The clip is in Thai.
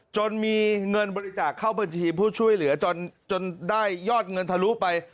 จนมีเงินบริจาคเข้าบัญชีผู้ช่วยเหลือจนได้ยอดเงินทะลุไป